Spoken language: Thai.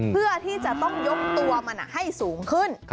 เพื่อที่จะต้องยกตัวมันให้สูงขึ้น